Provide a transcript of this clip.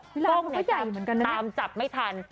กล้องนี้จับตามจับไม่ทัน